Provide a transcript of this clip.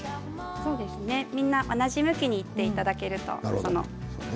みんな同じ向きにいっていただけるとね。